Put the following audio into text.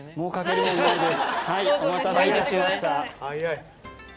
お待たせいたしました。